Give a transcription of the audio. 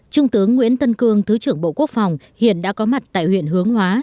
trung tướng nguyễn tân cương thứ trưởng bộ quốc phòng hiện đã có mặt tại huyện hướng hóa